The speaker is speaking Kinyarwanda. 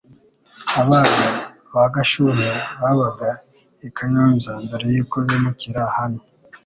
Abana ba Gashuhe babaga i Kayonza mbere yuko bimukira hano